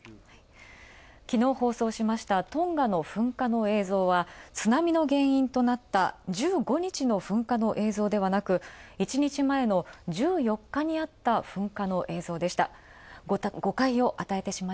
昨日放送しまいたトンガの噴火の映像は、津波の原因となった１５日の噴火の映像ではなく１日前の１４日にあった噴火の映像でした。